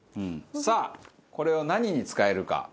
さあこれを何に使えるか？